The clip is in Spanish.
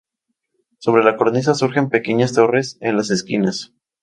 Sobre la cornisa surgen pequeñas torres en las esquinas.